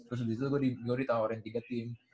abis itu gua ditawarin tiga tim